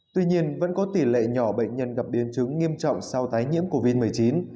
tuy nhiên vẫn có tỷ lệ nhỏ bệnh nhân gặp biến chứng nghiêm trọng sau tái nhiễm covid một mươi chín